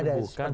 itu betul gak